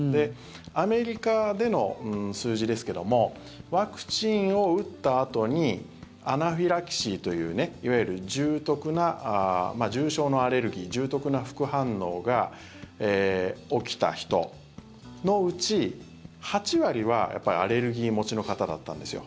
アメリカでの数字ですけどもワクチンを打ったあとにアナフィラキシーというねいわゆる重篤な重症のアレルギー重篤な副反応が起きた人のうち８割はアレルギー持ちの方だったんですよ。